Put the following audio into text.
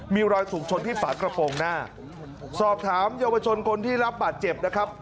มีรอยถูกชนที่ฝากระโปรงหน้าสอบถามเยาวชนคนที่รับบาดเจ็บนะครับ